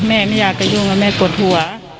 แม่ไม่อยากจะยุ่งแล้วแม่กดหัว